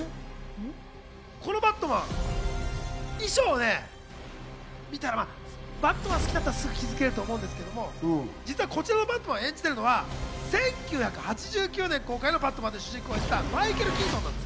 このバットマン、衣装ね、見たらバットマン好きだったら気づけると思うんですけど、実はこちらのバットマンを演じているのは１９８９年公開のバットマン、マイケル・キートンなんです！